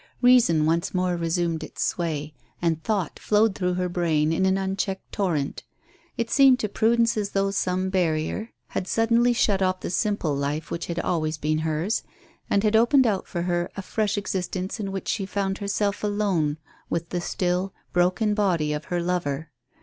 Reason once more resumed its sway, and thought flowed through her brain in an unchecked torrent It seemed to Prudence as though some barrier had suddenly shut off the simple life which had always been hers, and had opened out for her a fresh existence in which she found herself alone with the still, broken body of her lover.